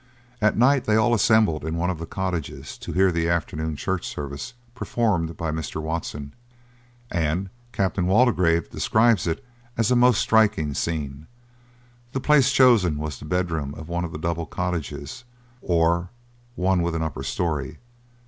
At night they all assembled in one of the cottages to hear the afternoon church service performed by Mr. Watson, and Captain Waldegrave describes it as a most striking scene. The place chosen was the bedroom of one of the double cottages, or one with an upper story.